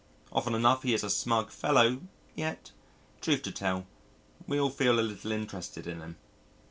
Often enough he is a smug fellow, yet, truth to tell, we all feel a little interested in him.